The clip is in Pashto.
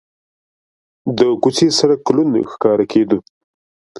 د کوڅې سړک لوند ښکاره کېده.